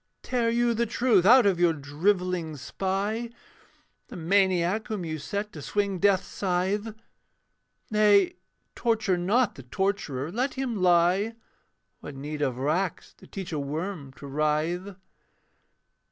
Tear you the truth out of your drivelling spy, The maniac whom you set to swing death's scythe. Nay; torture not the torturer let him lie: What need of racks to teach a worm to writhe?